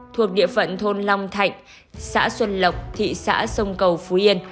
thuộc địa phận thôn long thạnh xã xuân lộc thị xã sông cầu phú yên